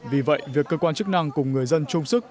vì vậy việc cơ quan chức năng cùng người dân chung sức